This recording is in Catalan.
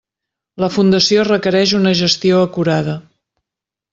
La fundació requereix una gestió acurada.